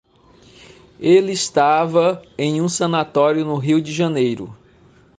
Ele estava em um sanatório no Rio de Janeiro.